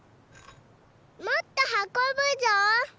もっとはこぶぞ！